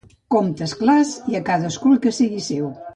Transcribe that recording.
Comptes clars i a cadascú el que sigui seu.